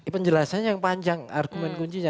penjelasan yang panjang argumen kuncinya